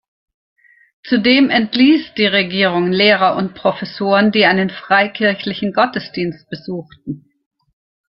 Zudem entliess die Regierung Lehrer und Professoren, die einen freikirchlichen Gottesdienst besuchten.